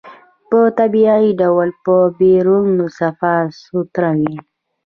په طبيعي ډول به بيرون صفا سوتره وي.